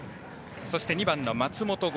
そして、２番の松本剛